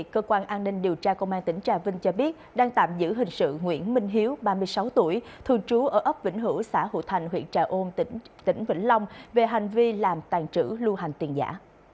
cơ quan an ninh điều tra công an tỉnh trà vinh cho biết đang tạm giữ hình sự nguyễn minh hiếu ba mươi sáu tuổi thường trú ở ấp vĩnh hữu xã hữu thành huyện trà ôn tỉnh vĩnh long về hành vi làm tàn trữ lưu hành tiền giả